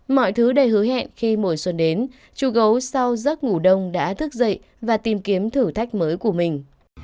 mọi thứ đầy hứa hẹn khi mùa xuân đến chùa gấu sau giấc ngủ đông đã thức dậy và tìm kiếm thử thách mới của mình